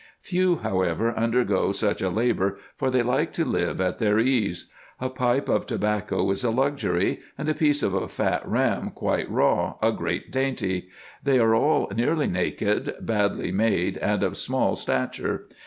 Few, however, undergo such a labour, for they like to live at their ease. A pipe of tobacco is a luxury, and a piece of a fat ram quite raw a great dainty. They are all nearly naked, badly made, and of small stature.